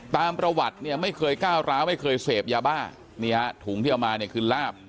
ตามประวัติเนี่ยไม่เคยก้าวร้าวไม่เคยเสพยาบ้านี่ฮะถุงที่เอามาเนี่ยคือลาบ